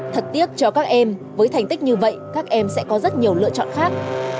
thật tiếc cho các em với thành tích như vậy các em sẽ có rất nhiều lựa chọn khác